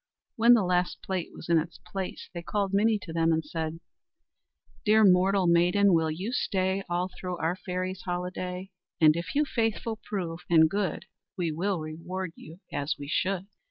When the last plate was in its place they called Minnie to them and said: "Dear mortal maiden, will you stay All through our fairy's holiday? And if you faithful prove, and good, We will reward you as we should."